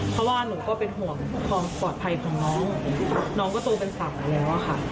เพราะว่าหนูก็เป็นห่วงความปลอดภัยของน้องน้องก็โตเป็นสาวแล้วอะค่ะ